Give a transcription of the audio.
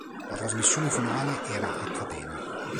La trasmissione finale era a catena.